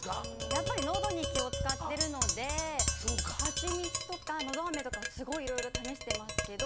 やっぱり喉に気を使ってるので蜂蜜とかのどあめとかはすごいいろいろ試してますけど。